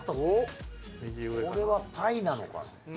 これはパイなのかな？